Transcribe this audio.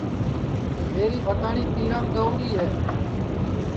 میری بھتاٹؔؔی پیرام گئیوڑی ہے